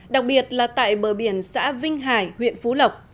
đặc biệt là tại bờ biển xã vinh hải huyện phú lộc